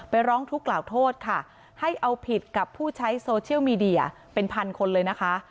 ร้องทุกข์กล่าวโทษค่ะให้เอาผิดกับผู้ใช้โซเชียลมีเดียเป็นพันคนเลยนะคะ